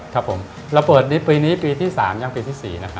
ครับผมระเบิดนี้ปีนี้ปีที่๓ยังปีที่๔นะครับ